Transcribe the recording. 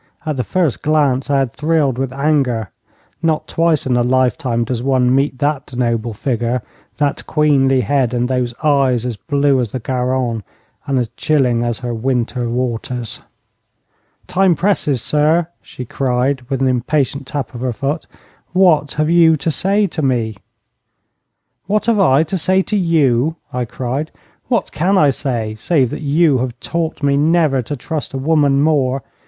At the first glance I had thrilled with anger. Not twice in a lifetime does one meet that noble figure, that queenly head, and those eyes as blue as the Garonne, and as chilling as her winter waters. 'Time presses, sir!' she cried, with an impatient tap of her foot. 'What have you to say to me?' 'What have I to say to you?' I cried. 'What can I say, save that you have taught me never to trust a woman more?